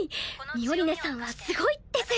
ミオリネさんはすごいです。